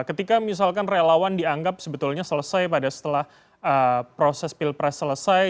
ketika misalkan relawan dianggap sebetulnya selesai pada setelah proses pilpres selesai